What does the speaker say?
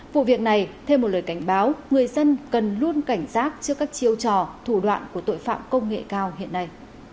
vụ việc này thêm một lời cảnh báo người dân cần luôn cảnh giác trước các chiêu trò thủ đoạn của tội phạm công nghệ cao hiện nay